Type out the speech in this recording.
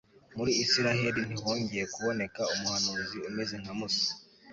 muri israheli ntihongeye kuboneka umuhanuzi umeze nka musa